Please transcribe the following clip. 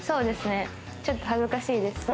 ちょっと恥ずかしいです。